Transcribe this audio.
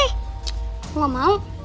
aku gak mau